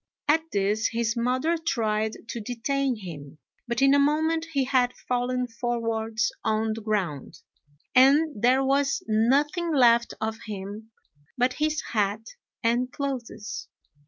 At this his mother tried to detain him, but in a moment he had fallen forwards on the ground, and there was nothing left of him but his hat and clothes.